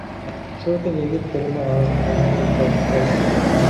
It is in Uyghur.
شۇ كۈنى يىگىت تولىمۇ ھارغىن ھالدا ئۆيىگە قايتىپ كەلدى.